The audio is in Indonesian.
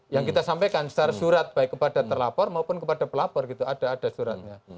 yang kita sampaikan secara surat baik kepada terlapor maupun kepada pelapor gitu ada ada suratnya